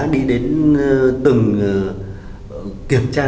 đi đến từng kiểm tra